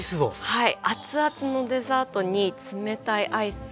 はい。